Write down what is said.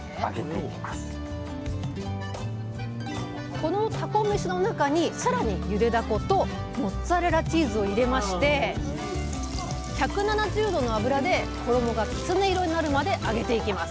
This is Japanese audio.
このたこめしの中にさらにゆでダコとモッツァレラチーズを入れまして１７０度の油で衣がきつね色になるまで揚げていきます